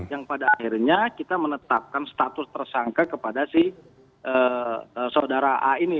yang pada akhirnya kita menetapkan status tersangka kepada si saudara a ini